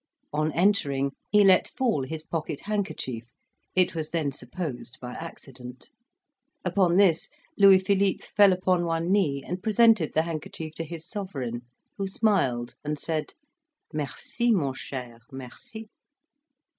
On entering, he let fall his pocket handkerchief it was then supposed by accident; upon this, Louis Philippe fell upon one knee and presented the handkerchief to his Sovereign; who smiled and said, "Merci, mon cher; merci."